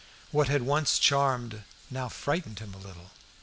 What had once charmed now frightened him a little.